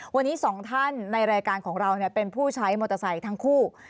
วันนี้สองท่านในรายการของเราเป็นผู้ใช้มอเตอร์ไซค์ทั้งคู่